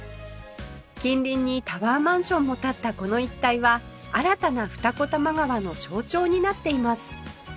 近隣にタワーマンションも建ったこの一帯は新たな二子玉川の象徴になっています